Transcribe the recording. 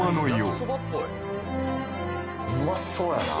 うまそうやな